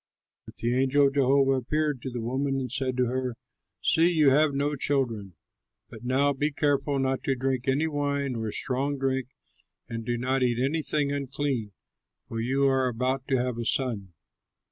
But the angel of Jehovah appeared to the woman and said to her, "See, you have no children; but now be careful not to drink any wine nor strong drink, and do not eat anything unclean, for you are about to have a son.